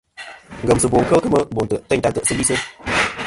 Ngemsiɨbo kel kemɨ no ntè' teyn ta ntè'sɨ li.